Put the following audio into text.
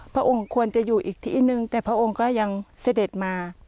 พระองค์ควรจะอยู่อีกที่หนึ่งแต่พระองค์ก็ยังเสด็จมา